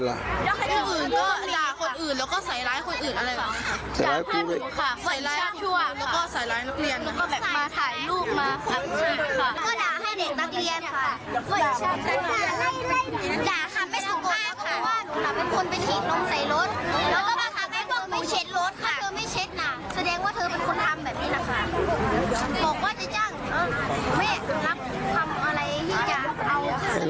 นด์บอกจะจ้างไม่รับคำอะไรที่จะเอา